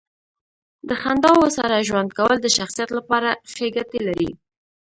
د خنداوو سره ژوند کول د شخصیت لپاره ښې ګټې لري.